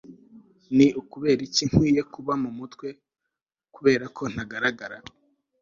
Ni ukubera iki nkwiye kuba mu mutwe kubera ko ntagaragara